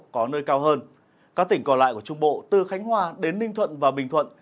có nơi cao hơn các tỉnh còn lại của trung bộ từ khánh hòa đến ninh thuận và bình thuận